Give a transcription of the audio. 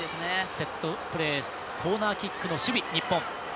セットプレーコーナーキックの守備、日本。